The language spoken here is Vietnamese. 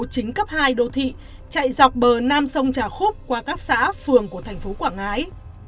tây đô thị chạy dọc bờ nam sông trà khúc qua các xã phường của thành phố quảng ngãi